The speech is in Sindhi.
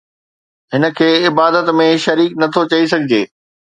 هن کي عبادت ۾ شريڪ نه ٿو چئي سگهجي